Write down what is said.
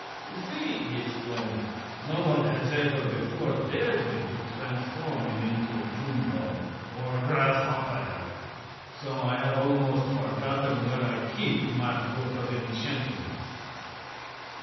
You see," he explained, "no one has ever before dared me to transform him into a June bug or grasshopper, so I have almost forgotten where I keep my book of enchantments.